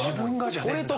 これと。